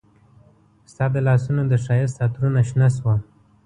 ستا د لاسونو د ښایست عطرونه شنه شوه